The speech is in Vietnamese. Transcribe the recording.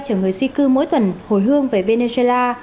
chở người di cư mỗi tuần hồi hương về venezuela